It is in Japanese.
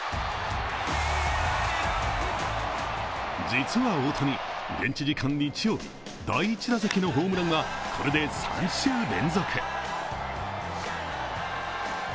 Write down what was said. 実は大谷、現地時間日曜日、第１打席のホームランはこれで３週連続。